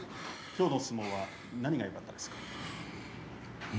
きょうの相撲、何がよかったですか。